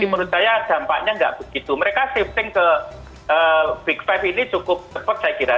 menurut saya dampaknya nggak begitu mereka shifting ke big five ini cukup cepat saya kira